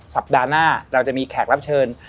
สัปดาห์หน้าเราจะมีแขกรับเชิญ